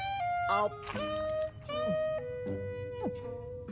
あっ！